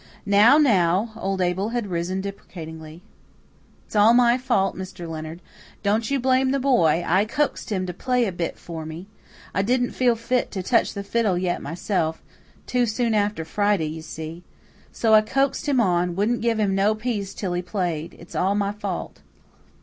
"Now, now!" Old Abel had risen deprecatingly. "It's all my fault, Mr. Leonard. Don't you blame the boy. I coaxed him to play a bit for me. I didn't feel fit to touch the fiddle yet myself too soon after Friday, you see. So I coaxed him on wouldn't give him no peace till he played. It's all my fault."